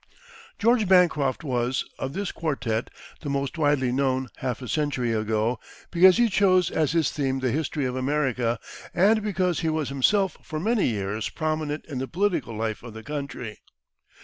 George Bancroft was, of this quartette, the most widely known half a century ago, because he chose as his theme the history of America, and because he was himself for many years prominent in the political life of the country.